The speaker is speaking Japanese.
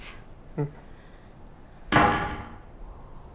うん。